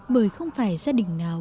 bởi không phải gia đình nào